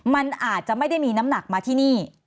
มันอาจจะไม่ได้มีน้ำหนักมาที่นี่